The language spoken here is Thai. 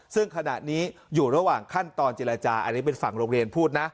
ซึ่งขณะนี้อยู่ระหว่างขั้นตอนเจรจาอันนี้เป็นฝั่งโรงเรียนพูดนะ